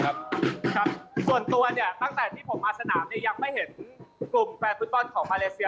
ส่วนตัวเนี่ยตั้งแต่ที่ผมมาสนามเนี่ยยังไม่เห็นกลุ่มแฟนฟุตบอลของมาเลเซีย